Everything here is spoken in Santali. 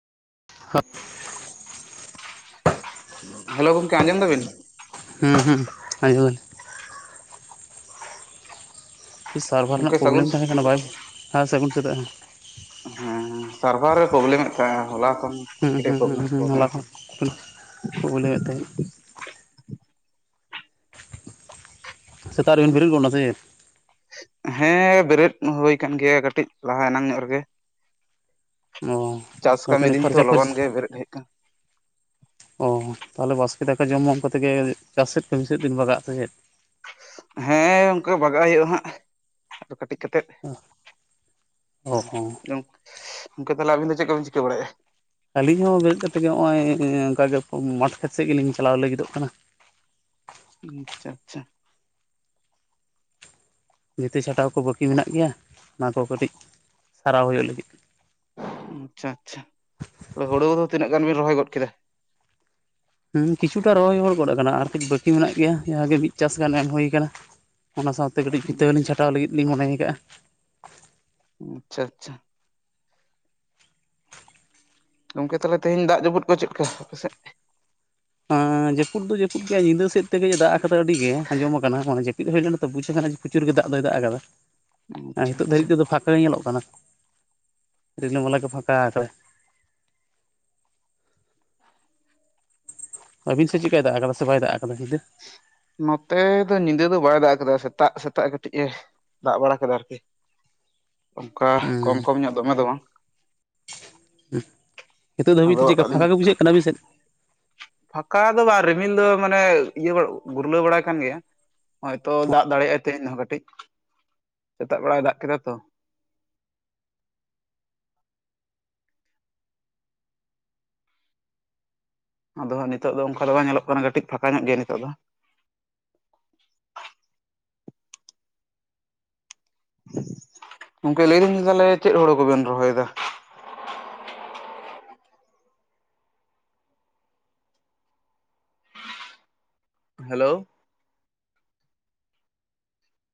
ᱦᱩᱸ ᱦᱮᱞᱳ ᱜᱚᱝᱠᱮ ᱟᱸᱡᱚᱢ ᱫᱟᱵᱤᱱ? ᱦᱩᱸ ᱦᱩᱸ ᱟᱡᱩᱢ ᱫᱟᱹᱧ᱾ ᱠᱤ ᱥᱟᱨᱵᱷᱟᱨ ᱜᱚᱢᱠᱮ ᱨᱮᱱᱟᱜ ᱥᱟᱹᱜᱩᱱ ᱯᱨᱳᱚᱵᱞᱮᱢ ᱛᱟᱦᱮᱸ ᱠᱟᱱᱟ ᱵᱟᱭ ᱦᱮᱸ ᱥᱟᱜᱩᱱ ᱥᱮᱛᱟᱜ ᱦᱮᱸ᱾ ᱦᱮᱸ ᱥᱟᱨᱵᱷᱟᱨ ᱨᱮ ᱯᱨᱚᱵᱞᱮᱢᱮᱫ ᱛᱟᱦᱮᱸ-ᱮ ᱦᱚᱞᱟ ᱮᱠᱷᱚᱱ ᱦᱩᱸ ᱦᱩᱸ ᱦᱚᱞᱟ ᱠᱷᱚᱱ ᱯᱨᱚᱵᱞᱮᱢᱮᱫ [unintelligible] ᱛᱟᱦᱮᱸᱫ ᱥᱮᱛᱟᱜ ᱨᱮᱵᱤᱱ ᱵᱮᱨᱮᱫ ᱜᱚᱫ ᱮᱱᱟ ᱥᱮ ᱪᱮᱫ? ᱦᱮᱸ ᱵᱮᱨᱮᱫ ᱦᱩᱭ ᱠᱟᱱ ᱜᱮᱭᱟ ᱠᱟᱹᱴᱤᱡ ᱞᱟᱦᱟ ᱮᱱᱟᱝ ᱧᱚᱜ ᱨᱮᱜᱮ᱾ ᱚ ᱪᱟᱥ ᱠᱟᱹᱢᱤ ᱵᱟᱹᱵᱤᱱ ᱫᱤᱱ ᱛᱚ ᱯᱷᱟᱨᱪᱟ ᱯᱷᱟᱨᱪᱤ ᱞᱚᱜᱚᱱ ᱜᱮ ᱵᱮᱨᱮᱫ ᱦᱩᱭᱩᱜ᱾ ᱠᱟᱱᱟ ᱚ ᱛᱟᱦᱞᱮ ᱵᱟᱥᱠᱮ ᱫᱟᱠᱟ ᱡᱚᱢ-ᱢᱚᱢ ᱠᱟᱛᱮ ᱜᱮ ᱪᱟᱥ ᱥᱮᱫ ᱠᱟᱹᱢᱤ ᱥᱮᱫ ᱫᱤᱱ ᱵᱟᱜᱟᱜᱼᱟ ᱥᱮ ᱪᱮᱫ? ᱦᱮᱸ ᱜᱚᱝᱠᱮ ᱵᱟᱜᱟᱜ ᱦᱩᱭᱩᱜ-ᱟ ᱦᱟᱸᱜ᱾ ᱟᱫᱚ ᱠᱟᱹᱴᱤᱡ ᱠᱟᱛᱮᱜ ᱚ [unintelligible] ᱦᱚᱸ ᱡᱚᱢ ᱜᱚᱝᱠᱮ ᱛᱟᱦᱚᱞᱮ ᱟᱵᱤᱱ ᱪᱮᱫ ᱠᱚ ᱵᱤᱱ ᱪᱤᱠᱟᱹ ᱵᱟᱲᱟᱭᱮᱜ-ᱟ? ᱟᱹᱞᱤᱧ ᱦᱚᱸ ᱵᱮᱨᱮᱫ ᱠᱟᱛᱮᱜ ᱜᱮ ᱦᱚᱜ-ᱚᱭ ᱚᱱᱠᱟ ᱜᱮ ᱢᱟᱴ ᱠᱷᱮᱛ ᱥᱮᱜ ᱜᱮᱞᱤᱧ ᱪᱟᱞᱟᱣ ᱞᱟᱹᱜᱤᱫᱚᱜ ᱠᱟᱱᱟ᱾ ᱩᱸ ᱟᱪᱪᱷᱟ ᱟᱪᱪᱷᱟ᱾ ᱵᱷᱤᱛᱟᱹ ᱪᱷᱟᱴᱟᱣ ᱠᱚ ᱵᱟᱹᱠᱤ ᱢᱮᱱᱟᱜ ᱜᱮᱭᱟ ᱚᱱᱟ ᱠᱚ ᱠᱟᱹᱴᱤᱡ ᱥᱟᱨᱟᱣ ᱦᱩᱭᱩᱜ ᱞᱟᱹᱜᱤᱫ᱾ ᱩᱸ ᱟᱪᱪᱷᱟ ᱟᱪᱪᱷᱟ ᱛᱚ ᱦᱩᱲᱩ ᱠᱚᱫᱚ ᱛᱤᱱᱟᱹᱜ ᱜᱟᱱ ᱵᱤᱱ ᱨᱚᱦᱚᱭ ᱜᱚᱫ ᱠᱮᱫᱟ? ᱦᱩᱸ ᱠᱤᱪᱷᱩᱴᱟ ᱨᱚᱦᱚᱭ ᱦᱚᱲ ᱜᱚᱫ ᱟᱠᱟᱱᱟ ᱟᱨ ᱠᱷᱟᱹᱡ ᱵᱟᱹᱠᱤ ᱢᱮᱱᱟᱜ ᱜᱮᱭᱟ ᱡᱟᱦᱟᱸ ᱜᱮ ᱢᱤᱫ ᱪᱟᱥ ᱜᱟᱱ ᱮᱢ ᱦᱩᱭ ᱟᱠᱟᱱᱟ᱾ ᱚᱱᱟ ᱥᱟᱶᱛᱮ ᱠᱟᱹᱴᱤᱡ ᱵᱷᱤᱛᱟᱹ ᱟᱪᱪᱷᱟ ᱦᱚᱞᱤᱧ ᱪᱷᱟᱴᱟᱣ ᱞᱟᱹᱜᱤᱫ ᱞᱤᱧ ᱢᱚᱱᱮ ᱟᱠᱟᱜ-ᱟ᱾ ᱦᱩᱸ ᱟᱪᱪᱷᱟ ᱟᱪᱪᱷᱟ᱾ ᱜᱚᱝᱠᱮ ᱛᱟᱦᱚᱞᱮ ᱛᱮᱦᱮᱸᱧ ᱫᱟᱜ ᱡᱟᱯᱩᱫ ᱠᱚ ᱪᱮᱫ ᱞᱮᱠᱟ ᱟᱯᱮᱥᱮᱫ? ᱦᱮᱸ ᱡᱟᱹᱯᱩᱫ ᱫᱚ ᱡᱟᱹᱯᱩᱫ ᱜᱮ ᱧᱤᱫᱟᱹ ᱥᱮᱫ ᱛᱮᱜᱮ ᱫᱟᱜ ᱟᱠᱟᱫ ᱟᱹᱰᱤ ᱜᱮ ᱟᱸᱡᱚᱢ ᱟᱠᱟᱱᱟ [unintelligible] ᱡᱟᱹᱯᱤᱫ ᱦᱩᱭ ᱞᱮᱱᱟ ᱛᱚ ᱵᱩᱡᱷᱟᱹᱜ ᱠᱟᱱᱟ ᱡᱮ ᱯᱨᱚᱪᱩᱨ ᱜᱮ ᱫᱟᱜ ᱫᱚᱭ ᱫᱟᱜ ᱟᱠᱟᱫᱟ ᱟᱨ ᱟᱪᱪᱷᱟ ᱱᱤᱛᱚᱜ ᱟᱪᱪᱷᱟ ᱫᱷᱟᱹᱨᱤᱡ ᱛᱮᱫᱚ ᱯᱷᱟᱸᱠᱟ ᱜᱮ ᱧᱮᱞᱚᱜ ᱠᱟᱱᱟ᱾ ᱨᱤᱞᱟᱹᱢᱟᱞᱟ ᱜᱮ ᱯᱷᱟᱸᱠᱟ ᱟᱠᱟᱜ-ᱟᱭ᱾ ᱟᱵᱤᱱ ᱥᱮᱜ ᱪᱤᱜᱠᱟᱭ ᱫᱟᱜ ᱟᱠᱟᱫᱟ ᱥᱮ ᱵᱟᱭ ᱫᱟᱜ ᱟᱠᱟᱫᱟ ᱧᱤᱫᱟᱹ? ᱱᱚᱛᱮ ᱫᱚ ᱧᱤᱫᱟᱹ ᱫᱚ ᱵᱟᱭ ᱫᱟᱜ ᱠᱟᱫᱟ ᱥᱮᱛᱟᱜ ᱥᱮᱛᱟᱜ ᱠᱟᱹᱴᱤᱡ ᱮ ᱫᱟᱜ ᱵᱟᱲᱟ ᱠᱟᱫᱟ ᱟᱨᱠᱤ᱾ [inaudible] ᱚᱝᱠᱟ ᱦᱩᱸ ᱠᱚᱢ ᱠᱚᱢ ᱧᱚᱜ ᱫᱚᱢᱮ ᱫᱚ ᱵᱟᱝ᱾ ᱱᱤᱛᱚᱜ ᱫᱷᱟᱹᱵᱤᱡ ᱟᱫᱚ ᱛᱮ ᱪᱮᱜᱠᱟ ᱟᱹᱞᱤᱧ ᱯᱷᱟᱸᱠᱟ ᱜᱮ ᱵᱩᱡᱷᱟᱹᱜ ᱠᱟᱱᱟ ᱟᱹᱵᱤᱱ ᱥᱮᱫ? ᱯᱷᱟᱸᱠᱟ ᱫᱚ ᱨᱤᱢᱤᱞ ᱫᱚ ᱢᱟᱱᱮ ᱤᱭᱟᱹ ᱜᱩᱨᱞᱟᱹᱣ ᱵᱟᱲᱟᱭ ᱠᱟᱱ ᱜᱮᱭᱟ᱾ ᱦᱚᱭᱛᱚ ᱫᱟᱜ ᱫᱟᱲᱮᱭᱟᱜ-ᱟᱭ ᱛᱮᱦᱮᱧ ᱦᱚᱸ ᱠᱟᱹᱴᱤᱡ ᱥᱮᱛᱟᱜ ᱵᱮᱲᱟᱭ ᱫᱟᱜ ᱠᱮᱫᱟ ᱛᱚ᱾ ᱟᱫᱚ ᱦᱟᱸᱜ ᱱᱤᱛᱚᱜ ᱫᱚ ᱚᱱᱠᱟ ᱫᱚ ᱵᱟᱝ ᱧᱮᱞᱚᱜ ᱠᱟᱱᱟ ᱠᱟᱹᱴᱤᱡ ᱯᱷᱟᱸᱠᱟ ᱧᱚᱜ ᱜᱮᱭᱟ ᱱᱤᱛᱚᱜ ᱫᱚ᱾ ᱜᱚᱝᱠᱮ ᱞᱟᱹᱭ ᱫᱟᱹᱞᱤᱧ ᱛᱟᱦᱚᱞᱮ ᱪᱮᱫ ᱦᱩᱲᱩ ᱠᱚᱵᱮᱱ ᱨᱚᱦᱚᱭ ᱮᱫᱟ? ᱦᱮᱞᱳ᱾